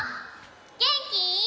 げんき。